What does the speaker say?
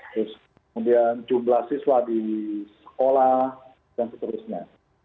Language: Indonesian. terus kemudian jumlah siswa di sekolah dan seterusnya